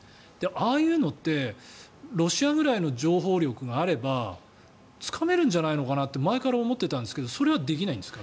ああいうのってロシアぐらいの情報力があればつかめるんじゃないのかなって前から思っていたんですがそれはできないんですか？